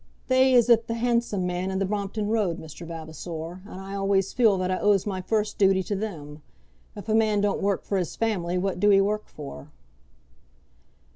"They is at the 'Handsome Man' in the Brompton Road, Mr. Vavasor; and I always feels that I owes my first duty to them. If a man don't work for his family, what do he work for?"